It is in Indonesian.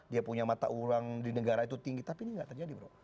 dia punya mata uang di negara itu tinggi tapi ini nggak terjadi bro